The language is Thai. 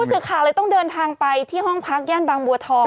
สื่อข่าวเลยต้องเดินทางไปที่ห้องพักย่านบางบัวทอง